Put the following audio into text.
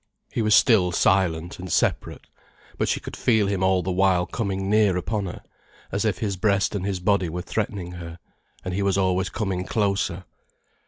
He was still silent and separate. But she could feel him all the while coming near upon her, as if his breast and his body were threatening her, and he was always coming closer.